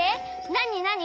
なになに？